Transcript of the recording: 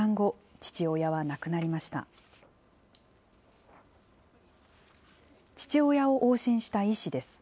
父親を往診した医師です。